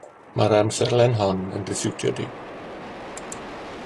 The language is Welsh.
Mae'r amserlen hon yn dy siwtio di